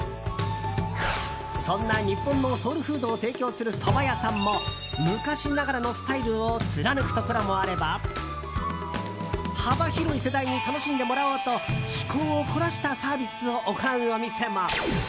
そんな日本のソウルフードを提供するそば屋さんも昔ながらのスタイルを貫くところもあれば幅広い世代に楽しんでもらおうと趣向を凝らしたサービスを行うお店も。